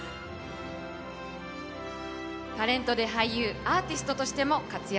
タレントで俳優アーティストとしても活躍